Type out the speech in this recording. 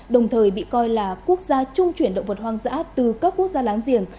đồng thời bị coi là quốc gia trung chuyển động vật hoang dã từ các quốc gia láng giềng